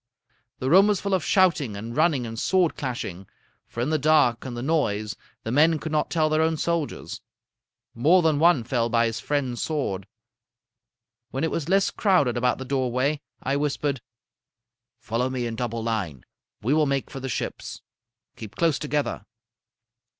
The room was full of shouting and running and sword clashing; for in the dark and the noise the men could not tell their own soldiers. More than one fell by his friend's sword. When it was less crowded about the doorway, I whispered: "'Follow me in double line. We will make for the ships. Keep close together.'